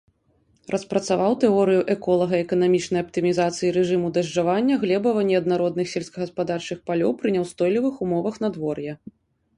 Распрацаваў тэорыю эколага-эканамічнай аптымізацыі рэжыму дажджавання глебава-неаднародных сельскагаспадарчых палёў пры няўстойлівых умовах надвор'я.